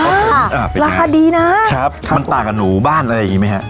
ราคาดีนะครับมันต่างกับหนูบ้านอะไรอย่างนี้ไหมฮะ